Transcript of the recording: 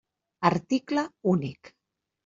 Article únic.